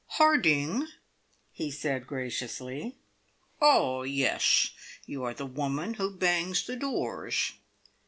"Harding?" he said graciously. "Oh, yes! You are the woman who bangs the doors."